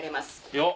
よっ！